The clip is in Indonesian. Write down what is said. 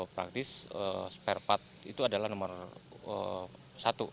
praktis spare part itu adalah nomor satu